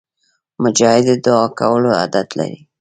مجاهد د دعا کولو عادت لري.